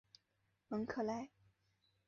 蒙克莱。